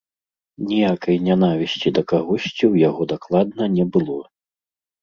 Ніякай нянавісці да кагосьці ў яго дакладна не было.